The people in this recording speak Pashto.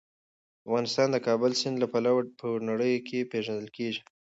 افغانستان د کابل سیند له مخې په نړۍ پېژندل کېږي.